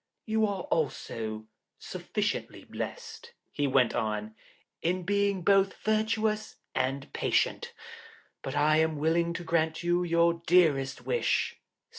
'You are already sufficiently blessed,' he went on, 'in being both virtuous and patient, but I am willing to grant you your dearest wish.